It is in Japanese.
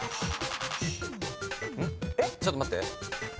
ちょっと待って。